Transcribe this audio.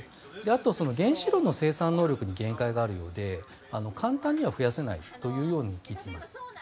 あと、原子炉の生産能力に限界があるようで簡単には増やせないと聞いています。